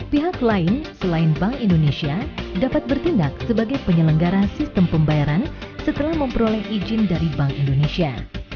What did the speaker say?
pihak lain selain bank indonesia dapat bertindak sebagai penyelenggara sistem pembayaran setelah memperoleh izin dari bank indonesia